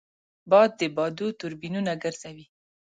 باد د بادو توربینونه ګرځوي